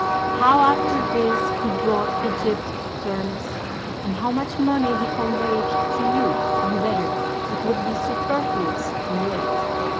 How after this he brought Egypt to terms and how much money he conveyed to you from there it would be superfluous to relate.